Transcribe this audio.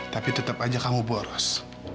tapi tetap aja kamu boros